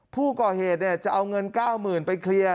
ผู้ก่อเหตุจะเอาเงิน๙๐๐๐ไปเคลียร์